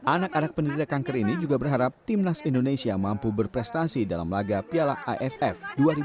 anak anak penderita kanker ini juga berharap timnas indonesia mampu berprestasi dalam laga piala aff dua ribu dua puluh